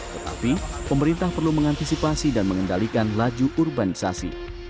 tetapi pemerintah perlu mengantisipasi dan mengendalikan laju urbanisasi